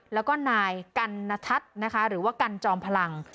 แล้วก็นายกัณทัศน์นะคะหรือว่ากันจอมพลัง